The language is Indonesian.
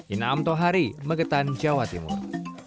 inaam tohari megetan jawa timur